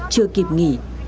chưa kịp nghỉ